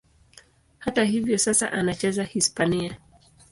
Hata hivyo, sasa anacheza Hispania.